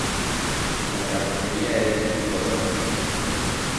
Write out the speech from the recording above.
La carrocería es de tipo roadster.